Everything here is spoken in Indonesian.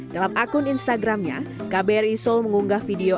dalam akun instagramnya kbri seoul mengunggah video